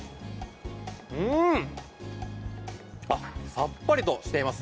さっぱりとしてます。